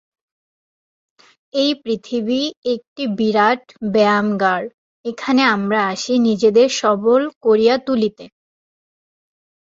এই পৃথিবী একটি বিরাট ব্যায়ামাগার, এখানে আমরা আসি নিজেদের সবল করিয়া তুলিতে।